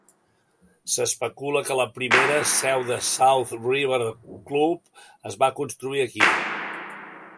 S'especula que la primera seu del South River Club es va construir aquí.